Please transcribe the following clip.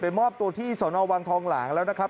มอบตัวที่สนวังทองหลางแล้วนะครับ